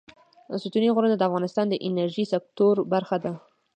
ستوني غرونه د افغانستان د انرژۍ سکتور برخه ده.